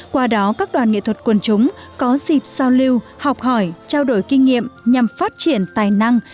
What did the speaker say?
qua đó các đoàn nghệ thuật quần chúng có dịp sao lưu học hỏi trao đổi kinh nghiệm nhằm phát triển tài năng